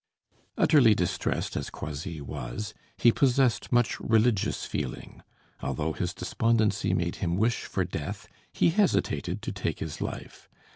Utterly distressed as Croisilles was, he possessed much religious feeling. Although his despondency made him wish for death, he hesitated to take his life.